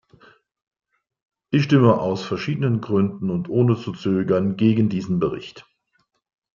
Ich stimmte aus verschiedenen Gründen und ohne zu zögern gegen diesen Bericht.